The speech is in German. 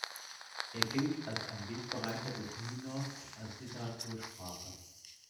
Er gilt als ein Wegbereiter des Nynorsk als Literatursprache.